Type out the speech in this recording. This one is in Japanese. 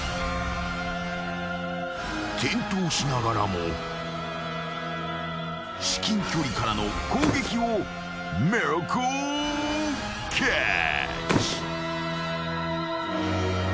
［転倒しながらも至近距離からの攻撃をミラクルキャッチ］